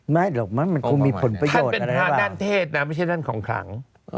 ไม่หรอกมั้นมันคงมีผลประโยชน์อะไรแหละวะภาพด้านเทศนะไม่ใช่อันของขัง